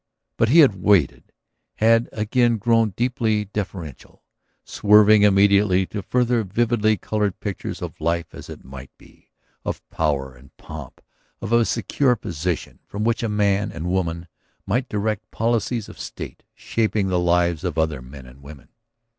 But he had waited, had again grown deeply deferential, swerving immediately to further vividly colored pictures of life as it might be, of power and pomp, of a secure position from which a man and a woman might direct policies of state, shaping the lives of other men and women.